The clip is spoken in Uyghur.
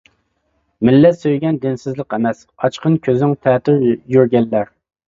مىللەت سۆيگەن دىنسىزلىق ئەمەس، ئاچقىن كۆزۈڭ تەتۈر يۈرگەنلەر!